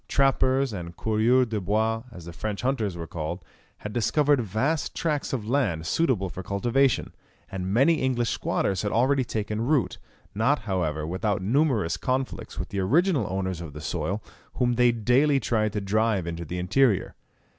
Trappers, and coureurs des bois, as the French hunters were called, had discovered vast tracts of land suitable for cultivation, and many English squatters had already taken root, not, however, without numerous conflicts with the original owners of the soil, whom they daily tried to drive into the interior.